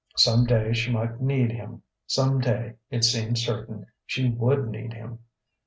Some day she might need him; some day, it seemed certain, she would need him.